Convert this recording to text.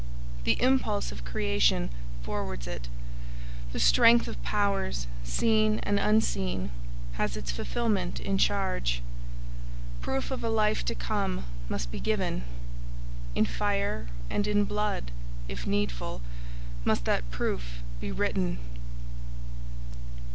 The impulse of creation forwards it; the strength of powers, seen and unseen, has its fulfilment in charge. Proof of a life to come must be given. In fire and in blood, if needful, must that proof be written.